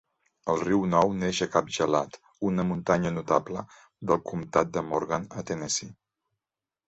El riu Nou neix a Cap Gelat, una muntanya notable del comtat de Morgan, a Tennessee.